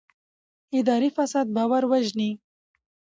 اداري فساد باور وژني